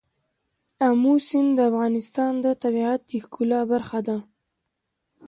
آمو سیند د افغانستان د طبیعت د ښکلا برخه ده.